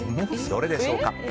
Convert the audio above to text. どれでしょうか。